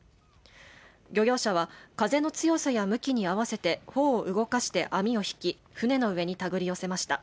漁業者は風の強さや向きに合わせて帆を動かして網を引き舟の上に手繰り寄せました。